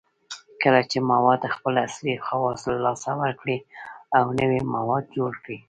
کله چې مواد خپل اصلي خواص له لاسه ورکړي او نوي مواد جوړ کړي